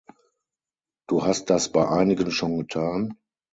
Du hast das bei einigen schon getan?